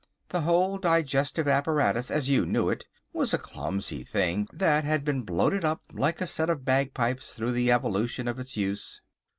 The whole digestive apparatus, as you knew it, was a clumsy thing that had been bloated up like a set of bagpipes through the evolution of its use!"